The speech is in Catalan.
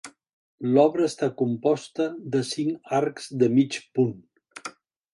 L'obra està composta de cinc arcs de mig punt.